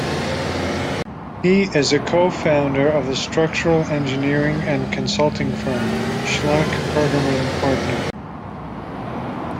He is a co-founder of the structural engineering and consulting firm schlaich bergermann partner.